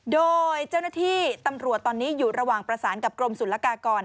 โดยเจ้าหน้าที่ตำรวจตอนนี้อยู่ระหว่างประสานกับกรมศุลกากร